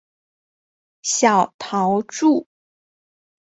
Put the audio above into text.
小桃纻